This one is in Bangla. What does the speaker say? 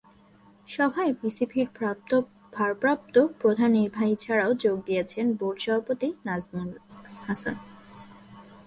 সভায় বিসিবির ভারপ্রাপ্ত প্রধান নির্বাহী ছাড়াও যোগ দিয়েছেন বোর্ড সভাপতি নাজমুল হাসান।